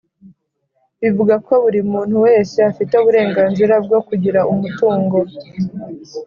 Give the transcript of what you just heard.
bivuga ko buri muntu wese afite uburenganzira bwo kugira umutungo;